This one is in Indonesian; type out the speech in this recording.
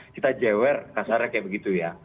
kita jewer kasarnya kayak begitu ya